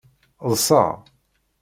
Ḍḍseɣ.